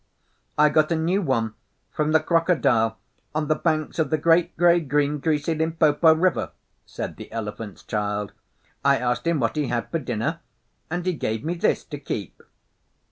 'I got a new one from the Crocodile on the banks of the great grey green, greasy Limpopo River,' said the Elephant's Child. 'I asked him what he had for dinner, and he gave me this to keep.